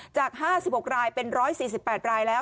จาก๕๖รายเป็น๑๔๘รายแล้ว